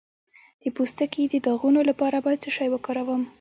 د پوستکي د داغونو لپاره باید څه شی وکاروم؟